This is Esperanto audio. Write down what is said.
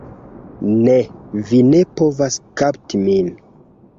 Ne, vi ne povas kapti min.